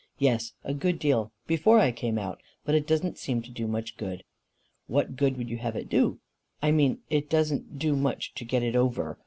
"Yes, a good deal before I came out. But it does not seem to do much good." "What good would you have it do?" "I mean, it doesn't do much to get it over.